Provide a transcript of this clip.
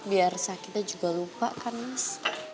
biar kita juga lupa kan mas